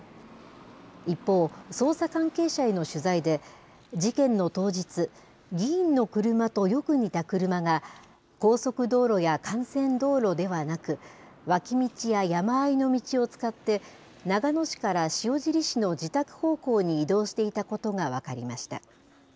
一方、捜査関係者への取材で、事件の当日、議員の車とよく似た車が、高速道路や幹線道路ではなく、脇道や山あいの道を使って、長野市から塩尻市の自宅方向に移動していたことが分かりました。